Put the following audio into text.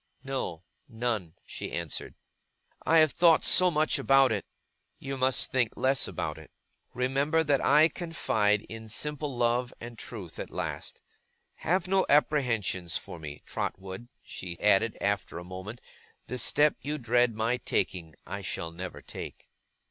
'No, none,' she answered. 'I have thought so much about it.' 'You must think less about it. Remember that I confide in simple love and truth at last. Have no apprehensions for me, Trotwood,' she added, after a moment; 'the step you dread my taking, I shall never take.